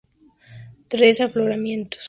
Tres afloramientos diferentes.